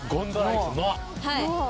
はい。